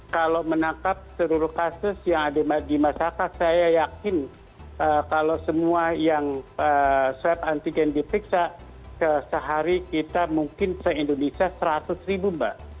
kalau menangkap seluruh kasus yang ada di masyarakat saya yakin kalau semua yang swab antigen diperiksa sehari kita mungkin se indonesia seratus ribu mbak